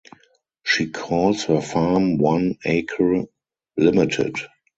She calls her farm One Acre Limited.